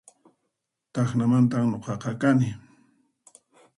Tacnamantan nuqaqa kani